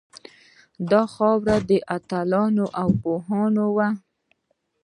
دا خاوره د اتلانو او پوهانو وه